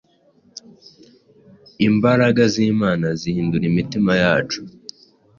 Imbaragazimana zihindura imitima yacu